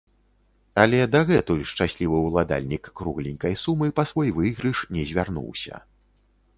Але дагэтуль шчаслівы уладальнік кругленькай сумы па свой выйгрыш не звярнуўся.